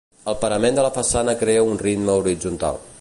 El parament de la façana crea un ritme horitzontal.